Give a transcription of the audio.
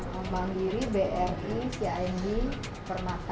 bank mandiri bri cimb permata